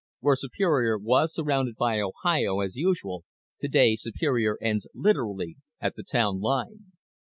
Where Superior was surrounded by Ohio, as usual, today Superior ends literally at the town line.